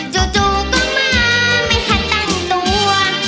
จู่ก็มาไม่ทันตั้งตัว